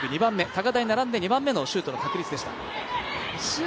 高田に並んで２番目のシュートの確率でした。